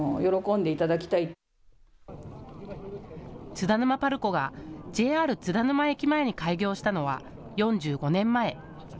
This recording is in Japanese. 津田沼パルコがＪＲ津田沼駅前に開業したのは４５年前。